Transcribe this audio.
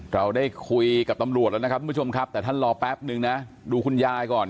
เราได้คุยกับตำรวจแล้วนะครับทุกผู้ชมครับแต่ท่านรอแป๊บนึงนะดูคุณยายก่อน